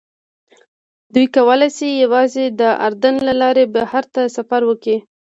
دوی کولی شي یوازې د اردن له لارې بهر ته سفر وکړي.